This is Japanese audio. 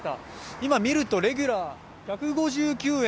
今、見るとレギュラー１５９円。